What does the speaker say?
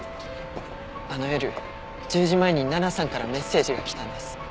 あの夜１０時前に奈々さんからメッセージが来たんです。